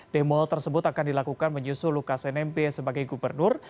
demo tersebut akan dilakukan menyusul lukas nmb sebagai gubernur